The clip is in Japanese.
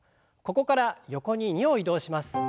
ここから横に２歩移動します。